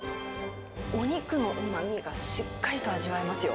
お肉のうまみがしっかりと味わえますよ。